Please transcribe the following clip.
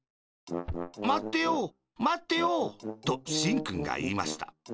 「まってよまってよ」としんくんがいいました。